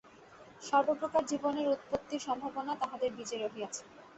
সর্বপ্রকার জীবনের উৎপত্তির সম্ভাবনা তাহাদের বীজে রহিয়াছে।